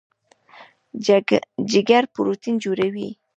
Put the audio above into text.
جګر پروټین جوړوي.